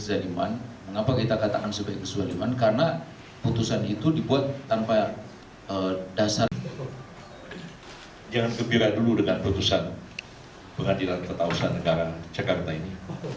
jangan gembira dulu dengan keputusan pengadilan tata usaha negara jakarta ini